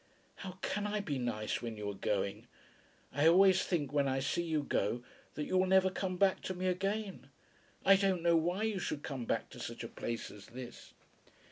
"How can I be nice when you are going? I always think when I see you go that you will never come back to me again. I don't know why you should come back to such a place as this?"